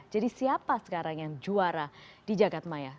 jadi siapa sekarang yang juara di jagad maya